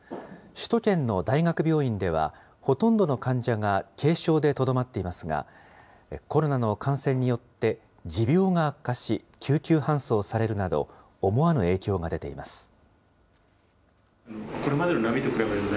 首都圏の大学病院では、ほとんどの患者が軽症でとどまっていますが、コロナの感染によって持病が悪化し、救急搬送されるなど、思わぬ影響が出ています。